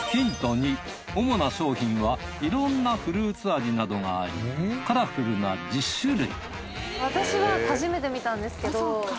２主な商品はいろんなフルーツ味などがありカラフルな１０種類